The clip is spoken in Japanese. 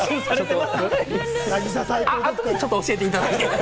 後でちょっと教えていただいて。